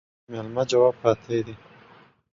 د ميلمه جواب پاتى دى.